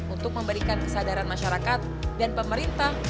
untuk memberikan kesadaran masyarakat dan pemerintah